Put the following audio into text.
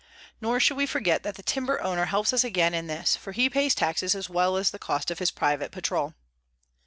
Nor should we forget that the timber owner helps us again in this, for he pays taxes as well as the cost of his private patrol.